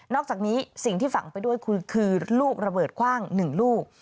อกจากนี้สิ่งที่ฝังไปด้วยคือลูกระเบิดคว่าง๑ลูก